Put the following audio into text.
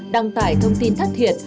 đăng tải thông tin thất thiệt